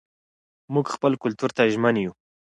موږ خپل کلتور ته ژمن یو.